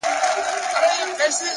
o مړ مه سې، د بل ژوند د باب وخت ته،